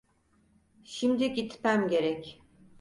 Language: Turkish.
Şimdi gitmem gerek.